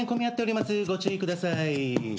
こ注意ください。